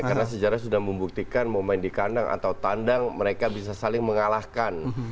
karena sejarah sudah membuktikan mau main di kandang atau tandang mereka bisa saling mengalahkan